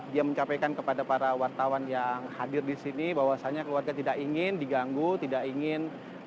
dia mencapaikan kepada para wartawan yang hadir di sini bahwasannya keluarga tidak ingin diganggu tidak ingin